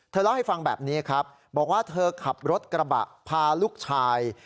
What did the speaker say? เล่าให้ฟังแบบนี้ครับบอกว่าเธอขับรถกระบะพาลูกชาย